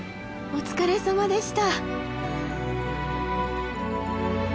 お疲れさまでした。